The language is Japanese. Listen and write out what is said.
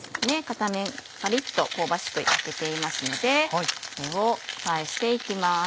片面パリっと香ばしく焼けていますのでこれを返して行きます。